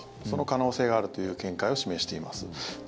その可能性があるという見解を示しています。